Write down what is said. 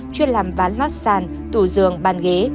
chuyên làm ván lót sàn tủ giường bàn ghế